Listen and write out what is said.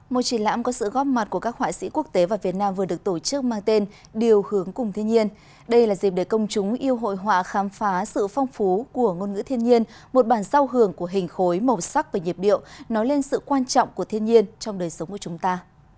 một triển lãm có sự góp mặt của các họa sĩ quốc tế và việt nam vừa được tổ chức mang tên điều hướng cùng thiên nhiên đây là dịp để công chúng yêu hội họa khám phá sự phong phú của ngôn ngữ thiên nhiên một bản giao hưởng của hình khối màu sắc và nhịp điệu nói lên sự quan trọng của thiên nhiên trong đời sống của chúng ta